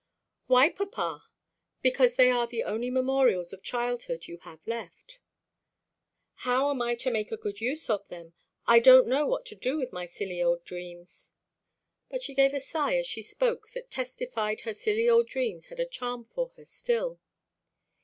"Why, papa?" "Because they are the only memorials of childhood you have left." "How am I to make a good use of them? I don't know what to do with my silly old dreams." But she gave a sigh as she spoke that testified her silly old dreams had a charm for her still.